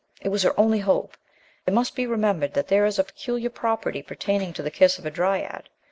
It was her only hope! It must be remembered that there is a peculiar property pertaining to the kiss of a dryad.